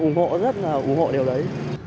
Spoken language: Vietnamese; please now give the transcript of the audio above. em ủng hộ rất là ủng hộ điều đấy